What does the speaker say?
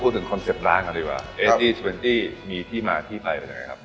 พูดถึงคอนเซ็ปต์ร้านกันดีกว่า๘๐๒๐มีที่มาที่ไปเป็นไงครับ